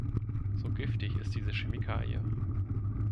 So giftig ist diese Chemikalie.